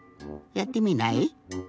やってみない？